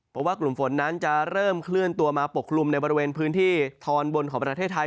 เพราะว่ากลุ่มฝนนั้นจะเริ่มเคลื่อนตัวมาปกคลุมในบริเวณพื้นที่ตอนบนของประเทศไทย